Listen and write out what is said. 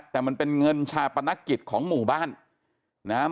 แต่มันเป็นเงินชาปนกิจของหมู่บ้านนะครับ